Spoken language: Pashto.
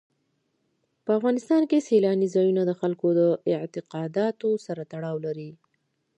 په افغانستان کې سیلانی ځایونه د خلکو د اعتقاداتو سره تړاو لري.